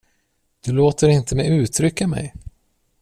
Du låter inte mig uttrycka mig.